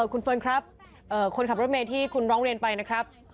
คุณเฟิร์นครับคนขับรถเมย์ที่คุณร้องเรียนไปนะครับ